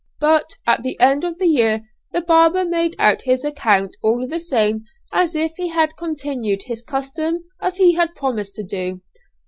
But at the end of the year the barber made out his account all the same as if he had continued his custom as he had promised to do.